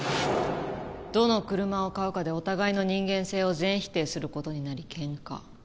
どの車を買うかでお互いの人間性を全否定する事になりケンカ。